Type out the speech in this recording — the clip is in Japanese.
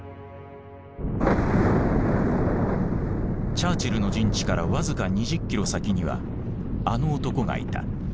チャーチルの陣地から僅か２０キロ先にはあの男がいた。